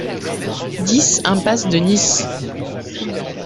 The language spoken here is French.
dix impasse de Nice